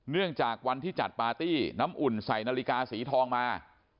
เนื่องจากวันที่จัดปาร์ตี้น้ำอุ่นใส่นาฬิกาสีทองมา